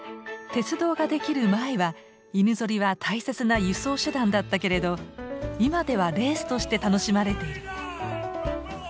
鉄道ができる前は犬ぞりは大切な輸送手段だったけれど今ではレースとして楽しまれてる。